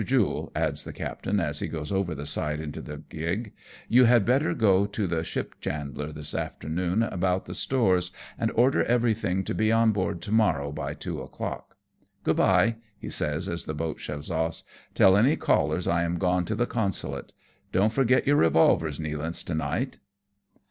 Jule," adds the captain, as he goes over the side into the gig, " you had better go to the ship chandler, this afternoon, about the stores, and order everything to be on board to morrow by two o'clock. Good bye," he says as the boat shoves off, " tell any callers I am gone to the Consulate. Don't forget your revolvers, Nealance, to night."